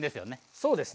そうですね。